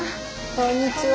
こんにちは。